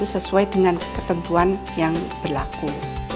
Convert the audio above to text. sesuai dengan ketentuan yang berlaku